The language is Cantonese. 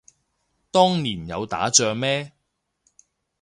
當年有打仗咩